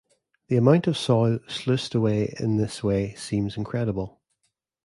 The amount of soil sluiced away in this way seems incredible.